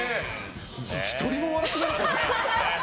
１人も笑ってなかったですね。